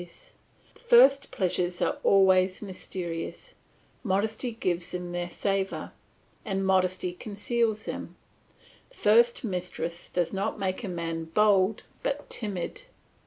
The first pleasures are always mysterious, modesty gives them their savour, and modesty conceals them; the first mistress does not make a man bold but timid.